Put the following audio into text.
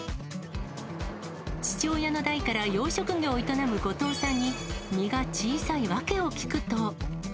父親の代から養殖業を営む後藤さんに、身が小さい訳を聞くと。